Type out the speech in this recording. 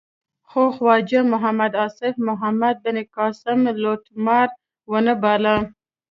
خو خواجه محمد آصف محمد بن قاسم لوټمار و نه باله.